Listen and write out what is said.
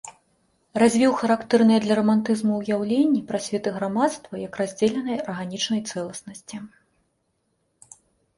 Развіў характэрныя для рамантызму ўяўленні пра свет і грамадства як раздзеленай арганічнай цэласнасці.